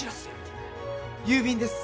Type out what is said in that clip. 郵便です。